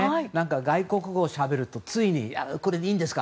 外国語をしゃべるとついこれでいいんですか？